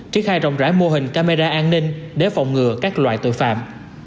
tri khai rộng rãi mô hình camera an ninh để phòng ngừa các loại tội phạm